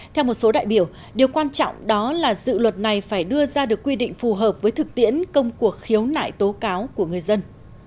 theo một số đại biểu điều quan trọng đó là dự luật này phải đưa ra được quy định phù hợp với thực tiễn công cuộc khiếu nại tố cáo của người dân